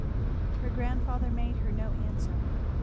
Her grandfather made her no answer.